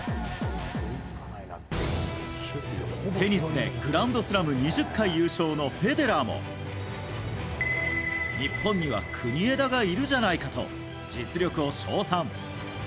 テニスでグランドスラム２０回優勝のフェデラーも日本には国枝がいるじゃないかと実力を称賛。